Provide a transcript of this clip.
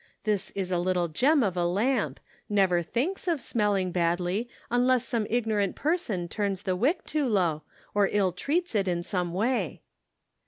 This is a little gem of a lamp ; never thinks of smelling badly unless some ignorant person turns the wick too low, or ill treats it in some way."